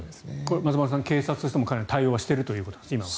松丸さん、警察としてもかなり対応はしているということですね。